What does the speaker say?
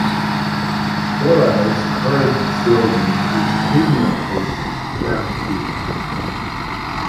Doral's current slogan is Premium Taste, Guaranteed.